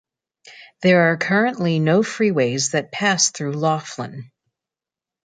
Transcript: There are currently no freeways that pass through Laughlin.